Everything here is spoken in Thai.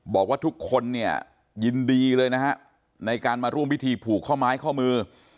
บอกว่าทุกคนเนี่ยยินดีเลยนะฮะในการมาร่วมพิธีผูกข้อไม้ข้อมือ